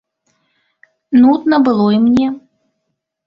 Нудна было і мне.